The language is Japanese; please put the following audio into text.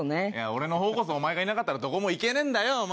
俺の方こそお前がいなかったらどこも行けねえんだよお前。